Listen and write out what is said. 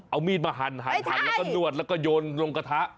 เอามีดมาหั่นแล้วก็นวดแล้วก็โยนลงกระทะ